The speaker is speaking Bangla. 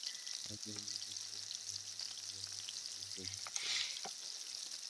অতএব, আমি তাকে ও তার বাহিনীকে ধরলাম এবং তাদেরকে সমুদ্রে নিক্ষেপ করলাম।